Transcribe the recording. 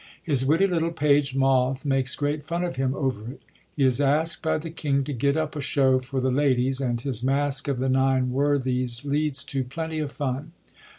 His witty little page, Moth, makes great fun of him over it. He is askt by the king to get up a show for the ladies ; and his Masque of the Nine Worthies leads to plenty of fun.